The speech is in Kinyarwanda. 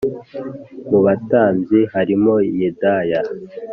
Mu batambyi harimo Yedaya